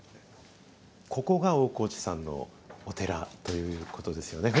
ここが大河内さんのお寺ということですよね。